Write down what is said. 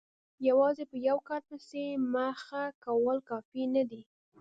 یوازې په یوه کار پسې مخه کول کافي نه دي.